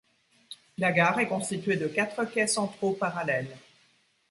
La gare est constituée de quatre quais centraux parallèles.